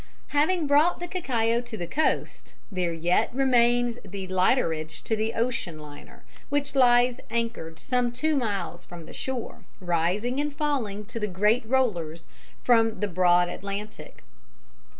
] Having brought the cacao to the coast, there yet remains the lighterage to the ocean liner, which lies anchored some two miles from the shore, rising and falling to the great rollers from the broad Atlantic.